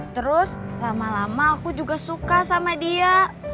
terus lama lama aku juga suka sama dia